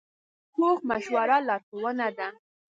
پوخ مشوره لارښوونه ده